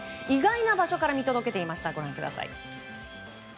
意外な場所から見届けていました。